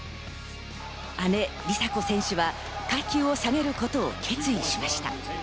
姉・梨紗子選手は階級を下げることを決意しました。